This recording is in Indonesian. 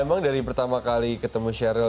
emang dari pertama kali ketemu sheryl